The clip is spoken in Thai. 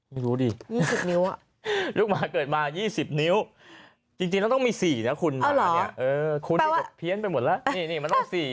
ไม่รู้ดิ๒๐นิ้วลูกหมาเกิดมา๒๐นิ้วจริงแล้วต้องมี๔นะคุณนี่แบบเพี้ยนไปหมดแล้วนี่มันต้อง๔